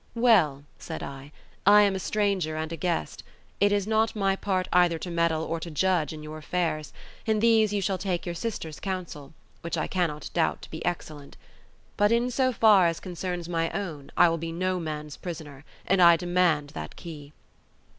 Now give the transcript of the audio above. "Well," said I, "I am a stranger and a guest. It is not my part either to meddle or to judge in your affairs; in these you shall take your sister's counsel, which I cannot doubt to be excellent. But in so far as concerns my own I will be no man's prisoner, and I demand that key."